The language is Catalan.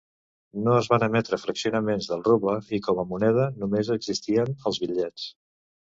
No es van emetre fraccionaments del ruble i com a moneda només existien els bitllets.